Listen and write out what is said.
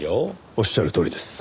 おっしゃるとおりです。